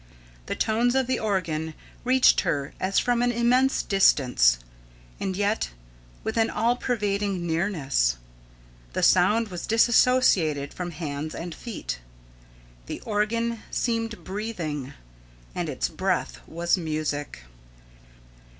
The tones of the organ reached her as from an immense distance, and yet with an all pervading nearness. The sound was disassociated from hands and feet. The organ seemed breathing, and its breath was music.